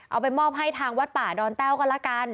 เอาไปมอบให้ทางวัดป่าดอนแต้วก็แล้วกัน